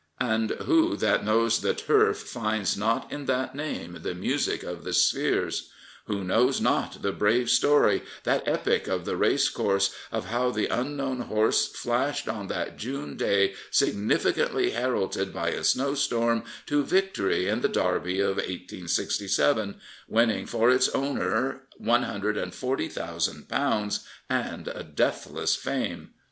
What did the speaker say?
And who that knows the Turf finds not in that name the music of the spheres? Who knows not the brave story, that epic of the racecourse, of how the unknown horse flashed on that June day, significantly^ heralded by a snowstorm, to victory in the Derby of 1867, winning for its owner 140,000 and a deathless fame